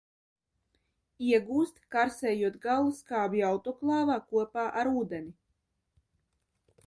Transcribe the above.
Iegūst, karsējot gallusskābi autoklāvā kopā ar ūdeni.